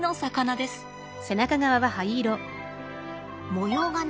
模様がね